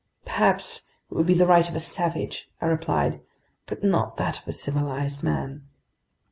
"Perhaps it would be the right of a savage," I replied. "But not that of a civilized man."